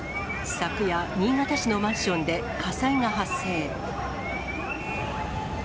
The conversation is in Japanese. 昨夜、新潟市のマンションで火災が発生。